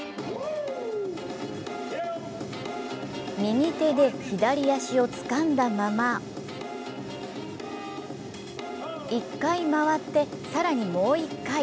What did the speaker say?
右手で左足をつかんだまま、１回回って、更にもう１回。